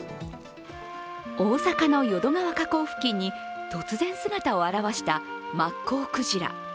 大阪の淀川河口付近に、突然姿を現したマッコウクジラ。